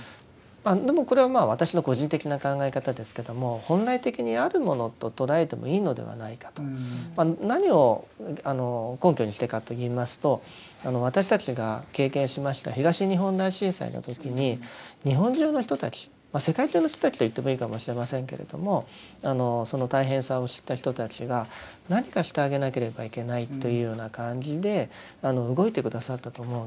でもこれは私の個人的な考え方ですけども何を根拠にしたかといいますと私たちが経験しました東日本大震災の時に日本中の人たち世界中の人たちといってもいいかもしれませんけれどもその大変さを知った人たちが何かしてあげなければいけないというような感じで動いて下さったと思うんです。